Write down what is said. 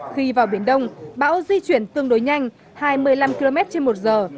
khi vào biển đông bão di chuyển tương đối nhanh hai mươi năm km trên một giờ